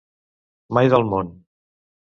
Mai del món!